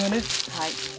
はい。